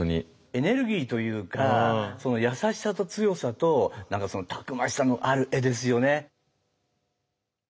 エネルギーというか優しさと強さとたくましさのある絵ですよね。